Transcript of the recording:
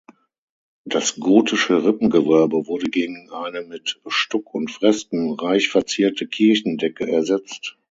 Das gotische Rippengewölbe wurde gegen eine mit Stuck und Fresken reich verzierte Kirchendecke ersetzt.